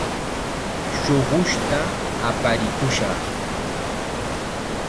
Shuqushta aparikushaq.